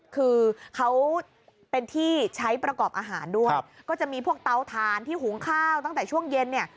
คือเขาเป็นที่ใช้ประกอบอาหารด้วยก็จะมีพวกเตาถ่านที่หุงข้าวตั้งแต่ช่วงเย็นเนี่ย